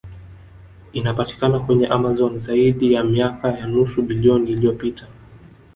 Inapatikana kwenye Amazon Zaidi ya miaka ya nusu bilioni iliyopita